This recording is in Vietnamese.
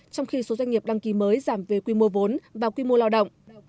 trong khi số doanh nghiệp đăng ký mới giảm về quy mô vốn và quy mô lao động